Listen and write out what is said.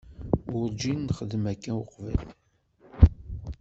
Werǧin nexdem akka uqbel.